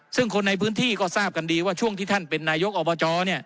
ซึ่งคนในพื้นที่ก็ทราบกันดีว่าช่วงที่ท่านเป็นนายกอบจ